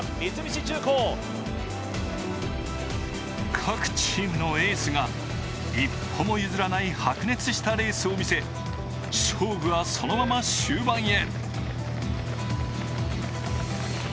各チームのエースが一歩も譲らない白熱したレースを見せ、勝負はそのまま終盤へ。